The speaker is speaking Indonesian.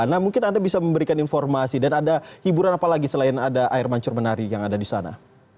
nah mungkin anda bisa memberikan informasi dan ada hiburan apalagi selain ada air mancur menari yang ada di sana